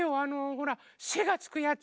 ほら「せ」がつくやつ！